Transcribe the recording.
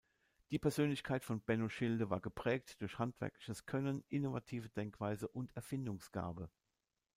Die Persönlichkeit von Benno Schilde war geprägt durch handwerkliches Können, innovative Denkweise und Erfindungsgabe.